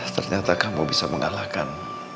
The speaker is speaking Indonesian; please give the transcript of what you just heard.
ternyata kamu bisa mengalahkan